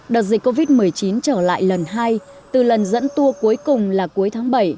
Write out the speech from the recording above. đợt dịch covid một mươi chín trở lại lần hai từ lần dẫn tour cuối cùng là cuối tháng bảy